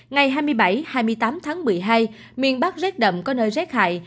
ngày hai mươi bảy hai mươi tám tháng một mươi hai miền bắc rét đậm có nơi rét hại